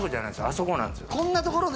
あそこなんですよ